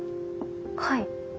はい。